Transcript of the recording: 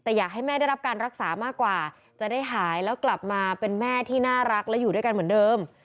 แต่อยากให้แม่ได้รับการรักษามากกว่าจะได้หายแล้วกลับมาเป็นแม่ที่น่ารักและอยู่ด้วยกันเหมือนเดิม